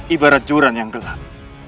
ibarat jurang yang gelap